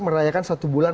merayakan satu bulan